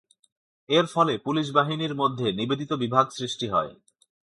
এর ফলে পুলিশ বাহিনীর মধ্যে নিবেদিত বিভাগ সৃষ্টি হয়।